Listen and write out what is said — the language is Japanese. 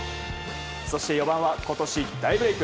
そして４番は今年、大ブレーク。